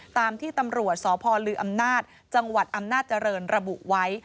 ตามที่ตำรวจสพลืออำนาจจังหวัดอำนาจเจริญระบุไว้